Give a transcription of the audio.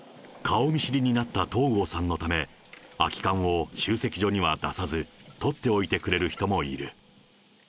顔見知りになった東郷さんのため、空き缶を集積所には出さず、とっておいてくれる人もいる。